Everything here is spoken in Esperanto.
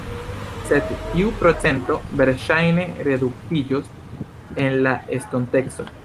Sed tiu procento verŝajne reduktiĝos en la estonteco..